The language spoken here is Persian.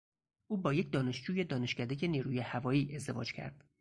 او با یک دانشجوی دانشکدهی نیروی هوایی ازدواج کرد.